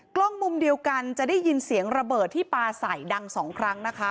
กล้องมุมเดียวกันจะได้ยินเสียงระเบิดที่ปลาใส่ดังสองครั้งนะคะ